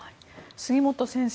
杉本先生